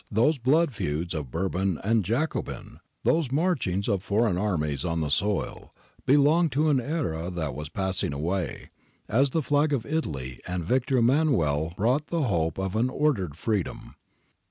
Those blood feuds of Bourbon and Jacobin, those marchings of foreign armies on the soil, belonged to an era that was passing away, as the flag of Italy and Victor Emmanuel brought the hope of an ordered freedom.